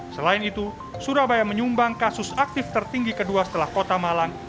selain itu surabaya menyumbang kasus aktif tertinggi kedua setelah kota malang